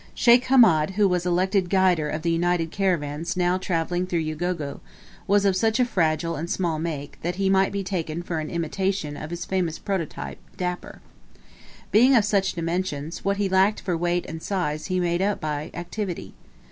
Sheikh Hamed, who was elected guider of the united caravans now travelling through Ugogo, was of such a fragile and small make, that he might be taken for an imitation of his famous prototype "Dapper." Being of such dimensions, what he lacked for weight and size he made up by activity.